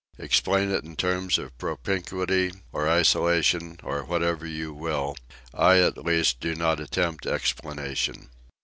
Explain it in terms of propinquity, or isolation, or whatever you will; I, at least, do not attempt explanation.